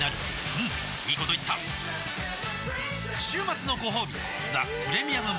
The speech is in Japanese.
うんいいこと言った週末のごほうび「ザ・プレミアム・モルツ」